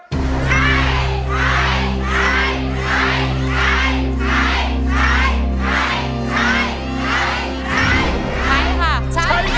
ใช้ใช้ใช้ใช้ใช้ใช้ใช้ใช้ใช้ใช้ใช้